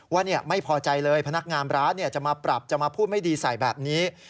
ว่าไม่พอใจเลยพนักงานร้านจะมาปรับจะมาพูดไม่ดีใส่แบบนี้